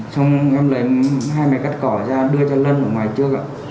xong em lấy hai mẹ cắt cỏ ra đưa cho lân ở ngoài trước ạ